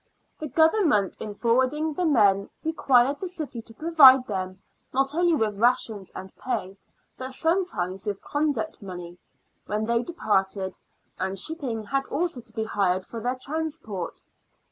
The Government, in forwarding the men, required the city to provide them, not only with rations and pay, but sometimes with " conduct money " when they departed, and shipping had also to be hired for their trans port.